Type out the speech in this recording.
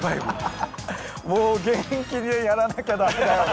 もう元気にやらなきゃ駄目だよね。